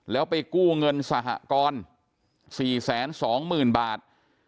แล้วไปกู้เงินสหกร๔๒๐๐๐บาท